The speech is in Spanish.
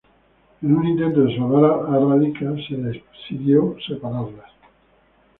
En un intento de salvar a Radica, se decidió separarlas.